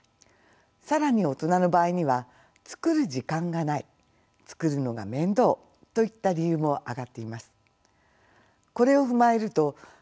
更に大人の場合には作る時間がない作るのが面倒といった理由も挙がっています。